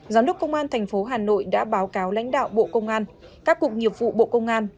giám đốc công an tp hà nội đã báo cáo lãnh đạo bộ công an các cục nghiệp vụ bộ công an